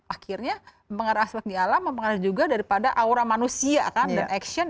akhirnya mempengaruhi aspek di alam mempengaruhi juga daripada aura manusia kan dan action